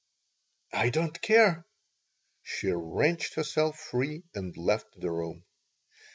"I don't care!" She wrenched herself free and left the room.